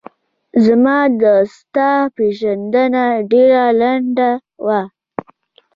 زما و ستا پیژندنه ډېره لڼده وه